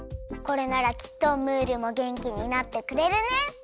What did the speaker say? これならきっとムールもげんきになってくれるね！